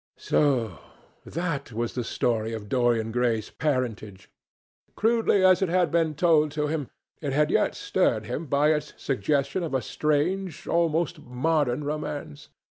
So that was the story of Dorian Gray's parentage. Crudely as it had been told to him, it had yet stirred him by its suggestion of a strange, almost modern romance.